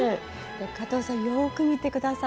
加藤さんよく見て下さい。